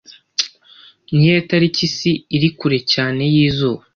Niyihe tariki isi iri kure cyane yizuba